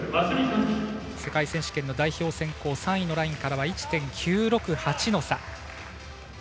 世界選手権の代表選考３位のラインから１．９６８の差。